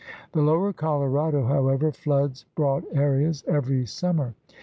The lower Colorado, however, floods broad areas every summer.